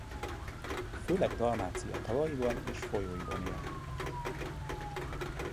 Főleg Dalmácia tavaiban és folyóiban él.